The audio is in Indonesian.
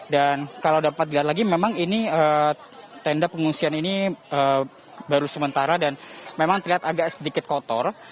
dan kalau dapat dilihat lagi memang ini tenda pengungsian ini baru sementara dan memang terlihat agak sedikit kotor